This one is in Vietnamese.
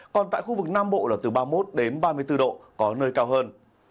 còn tại khu vực nam bộ là từ ba mươi một đến ba mươi bốn độ có nơi cao hơn